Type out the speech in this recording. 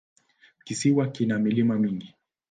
Kisiwa kina milima mingi.